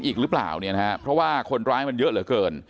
อีกหรือเปล่าเนี่ยนะฮะเพราะว่าคนร้ายมันเยอะเหลือเกิน